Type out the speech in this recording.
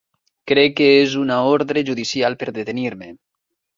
Crec que és una ordre judicial per detenir-me.